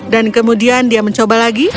dan kemudian dia mencoba lagi